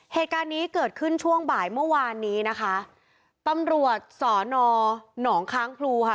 เหตุการณ์นี้เกิดขึ้นช่วงบ่ายเมื่อวานนี้นะคะตำรวจสอนอหนองค้างพลูค่ะ